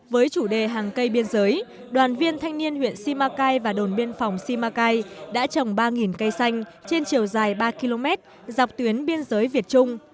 với chủ đề hàng cây biên giới đoàn viên thanh niên huyện simacai và đồn biên phòng simacai đã trồng ba cây xanh trên chiều dài ba km dọc tuyến biên giới việt trung